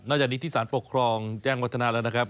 จากนี้ที่สารปกครองแจ้งวัฒนาแล้วนะครับ